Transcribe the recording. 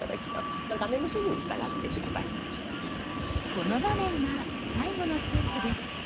この画面が最後のステップです。